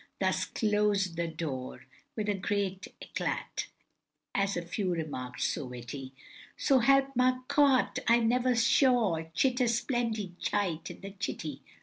Thus clos'd the door with great eclat, (As a few remark'd, so witty,) "Sho help ma cot, I never shaw Chit a sphlendid chite in the chitty."